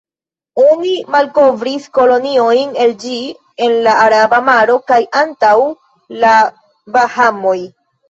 Oni malkovris koloniojn el ĝi en la Araba maro kaj antaŭ la Bahamoj.